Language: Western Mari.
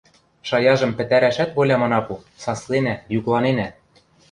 Шаяжым пӹтӓрӓшӓт волям ана пу, сасленӓ, юкланенӓ.